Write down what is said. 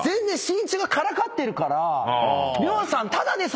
しんいちがからかってるから。